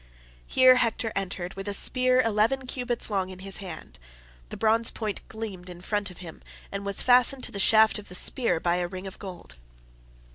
Here Hector entered, with a spear eleven cubits long in his hand; the bronze point gleamed in front of him, and was fastened to the shaft of the spear by a ring of gold.